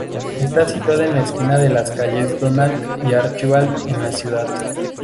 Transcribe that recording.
Está situada en la esquina de las calles Donald y Archibald en la ciudad.